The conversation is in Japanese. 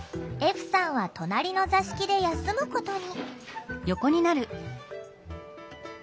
歩さんは隣の座敷で休むことに。